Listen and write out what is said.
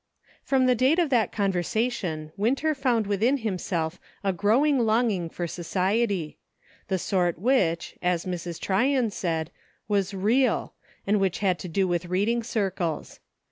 FROM the date of that conversation, Winter found within himself a growing longing for society — the sort which, as Mrs. Tryon said, was "real," and which had to do with reading circles.